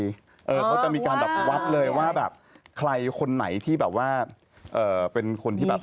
เขาจะมีการแบบวัดเลยว่าแบบใครคนไหนที่แบบว่าเป็นคนที่แบบ